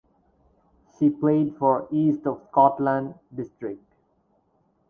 He played for East of Scotland District.